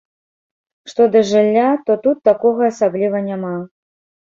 Што да жылля, то тут такога асабліва няма.